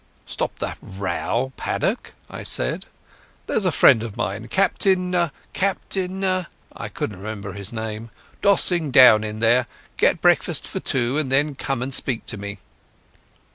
"Stop that row, Paddock," I said. "There's a friend of mine, Captain—Captain" (I couldn't remember the name) "dossing down in there. Get breakfast for two and then come and speak to me."